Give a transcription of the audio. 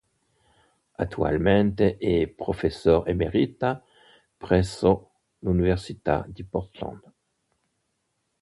Attualmente è "professor emerita" presso l'Università di Portland.